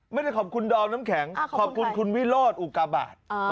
ไม่ได้ขอบคุณดอมน้ำแข็งขอบคุณคุณวิโรธอุกาบาท